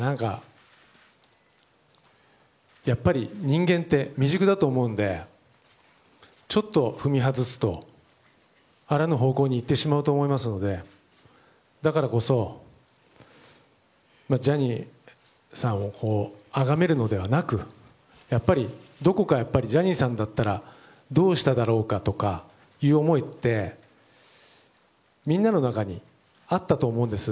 やっぱり人間って未熟だと思うのでちょっと、踏み外すとあらぬ方向に行ってしまうと思いますのでだからこそ、ジャニーさんをあがめるのではなくどこかやっぱりジャニーさんだったらどうしただろうかとかという思いってみんなの中にあったと思うんです。